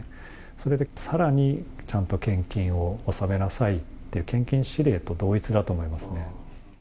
それで、さらにちゃんと献金を納めなさいって、献金指令と同一だと思いますね。